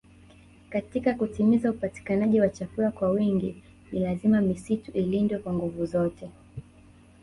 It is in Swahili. Katika kutimiza upatikanaji wa chakula kwa wingi ni lazima misitu ilindwe kwa nguvu zote